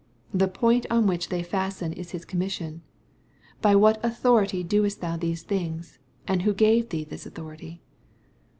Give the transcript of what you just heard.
The point on which they fasten is his commission :" By what authority doest thou these things ? and who gave thee this authority